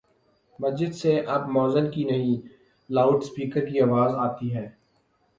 مسجد سے اب موذن کی نہیں، لاؤڈ سپیکر کی آواز آتی ہے۔